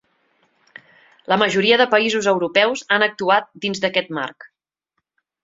La majoria de països europeus han actuat dins d’aquest marc.